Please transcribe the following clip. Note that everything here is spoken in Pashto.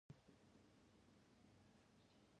تلاشۍ دي، دیوالونه او اوسپنې میلې دي.